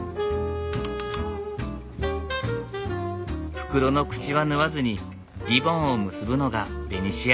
袋の口は縫わずにリボンを結ぶのがベニシア流。